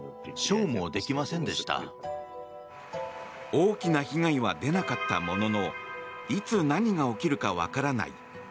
大きな被害は出なかったもののいつ何が起きるか分からない。